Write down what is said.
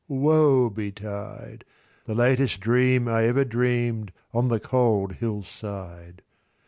woe betide! The latest dream I ever dream'dOn the cold hill's side.